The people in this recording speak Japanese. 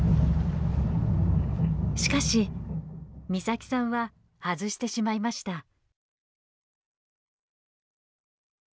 しかし岬さんは外してしまいました。